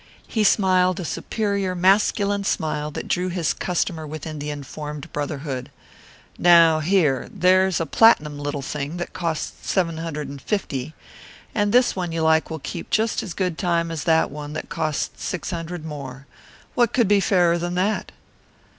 He smiled a superior masculine smile that drew his customer within the informed brotherhood. "Now here, there's a platinum little thing that costs seven hundred and fifty, and this one you like will keep just as good time as that one that costs six hundred more. What could be fairer than that?"